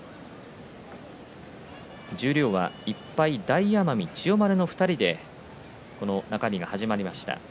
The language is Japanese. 十両は１敗、大奄美と千代丸の２人で中日が始まりました。